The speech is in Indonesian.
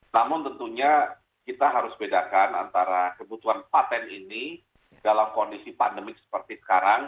namun tentunya kita harus bedakan antara kebutuhan patent ini dalam kondisi pandemik seperti sekarang